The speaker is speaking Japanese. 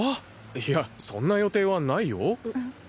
いやそんな予定はないよ。